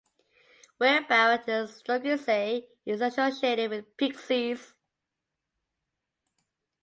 Wick Barrow, near Stogursey, is associated with pixies.